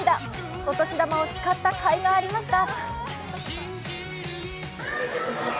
お年玉を使ったかいがありました。